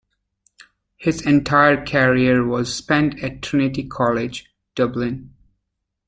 His entire career was spent at Trinity College Dublin.